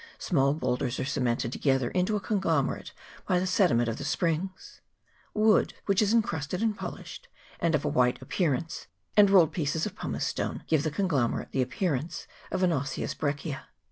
Smaller boul ders are cemented together into a conglomerate by the sediment of the springs : wood, which is en crusted and polished, and of a white appearance, and rolled pieces of pumicestone, give the conglo merate the appearance of an osseous breccia.